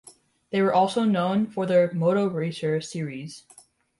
They were also known for their "Moto Racer" series.